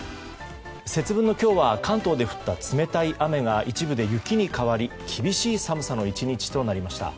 節分の今日は関東で降った冷たい雨が一部で雪に変わり厳しい寒さの１日となりました。